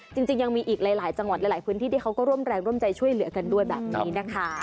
จริงยังมีอีกหลายจังหวัดหลายพื้นที่ที่เขาก็ร่วมแรงร่วมใจช่วยเหลือกันด้วยแบบนี้นะคะ